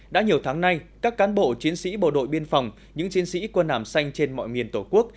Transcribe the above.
đã nhiều tháng nay các cán bộ chiến sĩ bộ đội biên phòng những chiến sĩ quân hàm xanh trên mọi miền tổ quốc